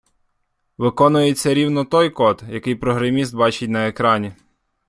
Виконується рівно той код, який програміст бачить на екрані.